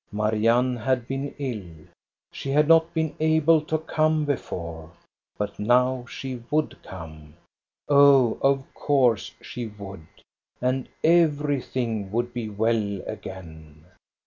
Marianne had been ill. She had not been able to come before, but now she would come. Oh, of course she would. And everything would be well again.